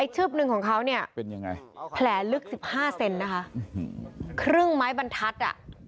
ชืบหนึ่งของเขาเนี่ยแผลลึก๑๕เซนติเมตรนะคะครึ่งไม้บรรทัศน์